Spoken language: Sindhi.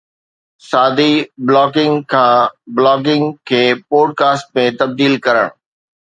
سادي بلاگنگ کان بلاگنگ کي پوڊ ڪاسٽنگ ۾ تبديل ڪرڻ